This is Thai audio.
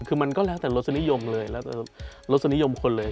คือมันก็แล้วแต่รสนิยมเลยแล้วแต่รสนิยมคนเลย